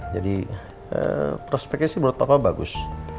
jadi prospeknya sih menurut papa bagus